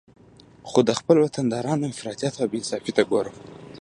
خو د خپل وطندارانو افراطیت او بې انصافي ته ګورم